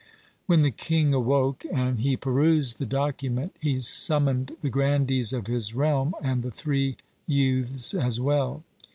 When the king awoke, and he perused the document, he summoned the grandees of his realm and the three youths as well.